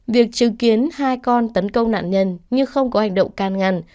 việc chứng kiến hai con tấn công nạn nhân nhưng không có hành động can ngăn